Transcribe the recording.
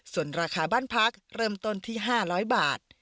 ส่วนราคาบ้านพักเริ่มต้นที่๕๐๐บาท